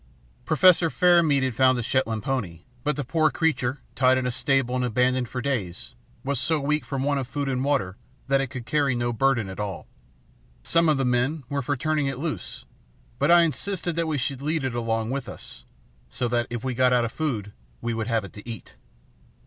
Professor Fairmead had found a Shetland pony, but the poor creature, tied in a stable and abandoned for days, was so weak from want of food and water that it could carry no burden at all. Some of the men were for turning it loose, but I insisted that we should lead it along with us, so that, if we got out of food, we would have it to eat.